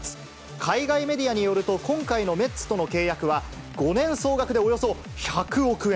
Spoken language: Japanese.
海外メディアによると、今回のメッツとの契約は、５年総額でおよそ１００億円。